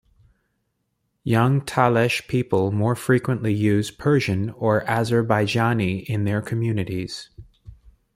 Young Talesh people more frequently use Persian or Azerbaijani in their communities.